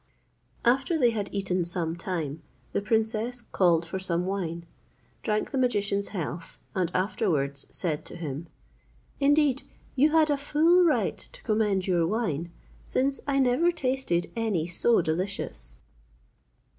After they had eaten some time, the princess called for some wine, drank the magician's health, and afterwards said to him, "Indeed you had a full right to commend your wine, since I never tasted any so delicious."